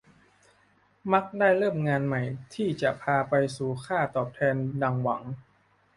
มักได้เริ่มงานใหม่ที่จะพาไปสู่ค่าตอบแทนดังหวัง